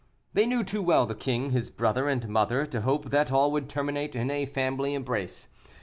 They knew too well the king, his brother, and mother, to hope that all would terminate in a family embrace.